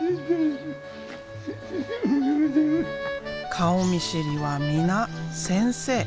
顔見知りは皆先生。